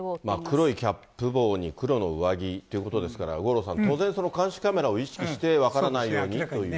黒いキャップ帽に黒の上着ということですから、五郎さん、当然、監視カメラを意識して分からないようにという。